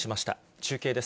中継です。